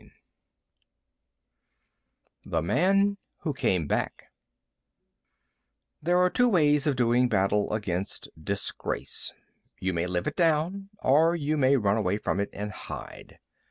II THE MAN WHO CAME BACK There are two ways of doing battle against Disgrace. You may live it down; or you may run away from it and hide.